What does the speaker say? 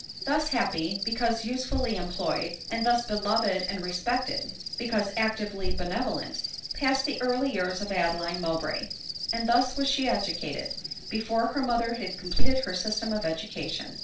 Thus happy, because usefully employed, and thus be loved and respected, because actively benevolent, passed the early years of Adeline Mowbray ; and thus was she educated, before her mother had completed her system •of education.